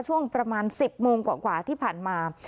ช่วงประมาณ๑๐โมงกว่าที่ผ่านมา